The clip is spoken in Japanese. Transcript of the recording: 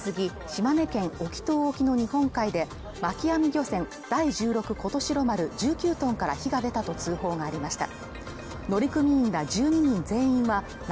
島根県隠岐島沖の日本海で巻き網漁船「第十六事代丸」１９トンから火が出たと通報がありました